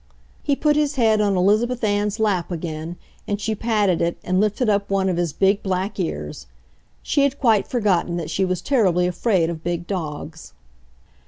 He put his head on Elizabeth Ann's lap again and she patted it and lifted up one of his big black ears. She had quite forgotten that she was terribly afraid of big dogs.